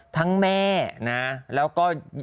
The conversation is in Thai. ทั้งแม่แล้วก็